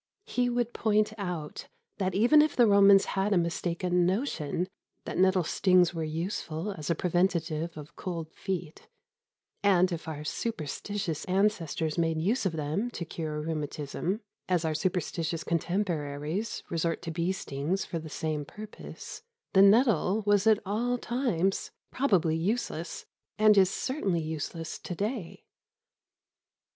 He would point out that even if the Romans had a mistaken notion that nettle stings were useful as a preventive of cold feet, and if our superstitious ancestors made use of them to cure rheumatism, as our superstitious contemporaries resort to bee stings for the same purpose, the nettle was at all times probably useless and is certainly useless to day.